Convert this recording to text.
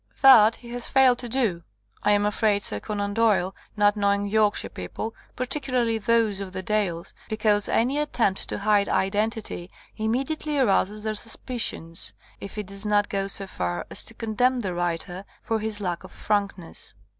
That he has failed to do. I am afraid Sir Conan does not know York shire people, particularly those of the dales, because any attempt to hide identity imme diately arouses their suspicions, if it does not go so far as to condemn the writer for his lack of frankness.